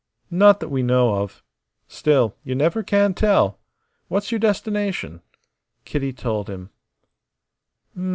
"Not that we know of. Still, you never can tell. What's your destination?" Kitty told him.